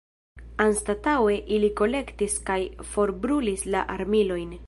Anstataŭe ili kolektis kaj forbrulis la armilojn.